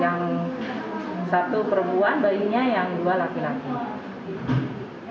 yang satu perempuan bayinya yang dua laki laki